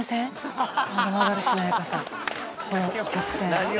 あの曲線